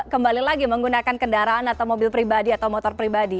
kembali lagi menggunakan kendaraan atau mobil pribadi atau motor pribadi